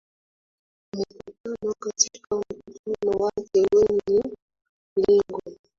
umekutana katika mkutano wake wenye lengo